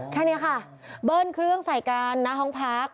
แค่นี้ค่ะเบิ้ลเครื่องใส่กันหน้าห้องพัก